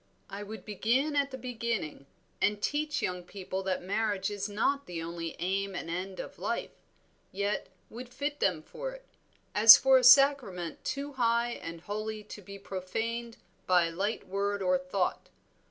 "I would begin at the beginning, and teach young people that marriage is not the only aim and end of life, yet would fit them for it, as for a sacrament too high and holy to be profaned by a light word or thought.